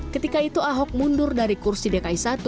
ketika itu ahok mundur dari kursi dki satu